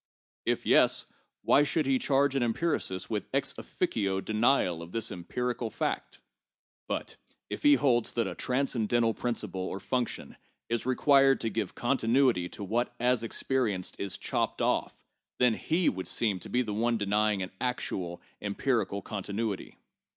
If yes, why should he charge an empiricist with ex officio denial of this empirical fact ? But if he holds that a transcendental principle or function is required to give continuity to what as experienced is ' chopped off ,' then he would seem to be the one denying actual, empirical, continuity.